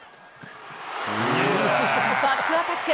バックアタック。